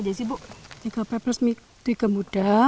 dan ini peko yang masih muda